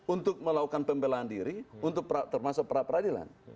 untuk melakukan pembelaan diri termasuk pra peradilan